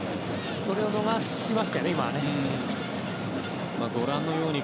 それを逃しましたよね、今のは。